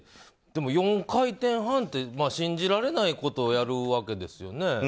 でも４回転半って信じられないことをやるんですよね。